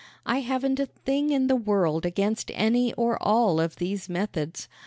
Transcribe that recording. I haven't a thing in the world against any or all of these methods.